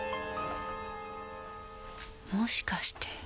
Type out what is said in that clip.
もしかして。